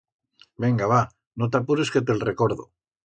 Venga, va, no t'apures que te'l recordo.